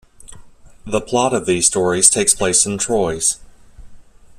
The plot of these stories takes place in Troyes.